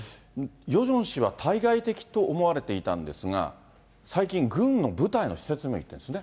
ヨジョン氏は対外的と思われていたんですが、最近、軍の部隊の視察にも行ってるんですね。